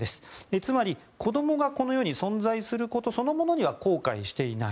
つまり、子どもがこの世に存在することそのものには後悔していない。